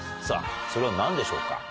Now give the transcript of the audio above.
さぁそれは何でしょうか？